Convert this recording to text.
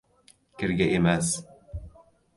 — Kirga emas...